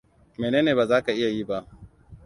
Menene baza ka iya yi ba?